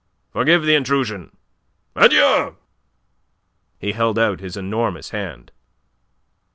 Forgive the intrusion. Adieu!" He held out his enormous hand..